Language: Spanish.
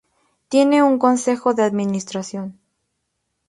Tiene un consejo de administración.